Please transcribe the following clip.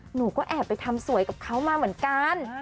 หนูก็แอบไปทำสวยกับเขามาเหมือนกัน